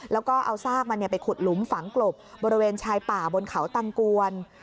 แล้วก็เอาซากมันไปขุดหลุมฝังกลบบริเวณชายป่าบนเขาตังกวน